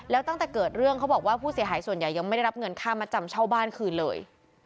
แล้วตั้งแต่เกิดเรื่องเขาบอกว่าผู้เสียหายส่วนใหญ่ยังไม่ได้รับเงินค่ามาจำเช่าบ้านคืนเลย